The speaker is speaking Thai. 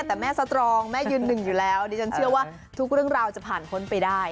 แต่แม่สตรองแม่ยืนหนึ่งอยู่แล้วดิฉันเชื่อว่าทุกเรื่องราวจะผ่านพ้นไปได้